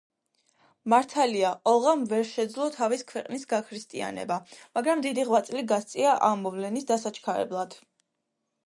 მართალია, ოლღამ ვერ შეძლო თავის ქვეყნის გაქრისტიანება, მაგრამ დიდი ღვაწლი გასწია ამ მოვლენის დასაჩქარებლად.